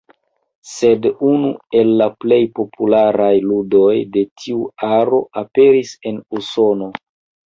Sed unu el la plej popularaj ludoj de tiu aro aperis en Usono.